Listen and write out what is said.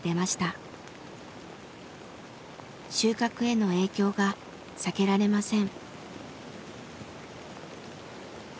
収穫への影響が避けられません。